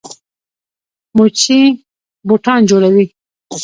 موچي بوټان جوړوي.